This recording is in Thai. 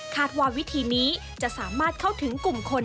ว่าวิธีนี้จะสามารถเข้าถึงกลุ่มคน